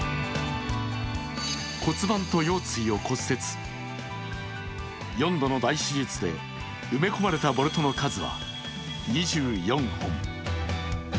骨盤と腰椎を骨折４度の大手術で埋め込まれたボルトの数は２４本。